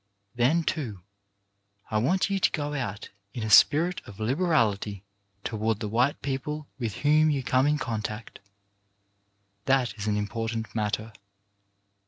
Then, too, I want you to go out in a spirit of liberality toward the white people with whom you come in contact. That is an important matter.